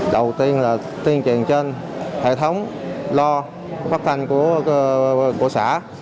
đầu tiên là tiến truyền trên hệ thống lo phát thanh của xã